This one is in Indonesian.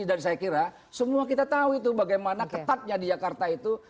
dan saya kira semua kita tahu itu bagaimana ketatnya di jakarta itu